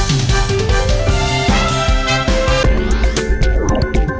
โปรดติดตามตอนต่อไป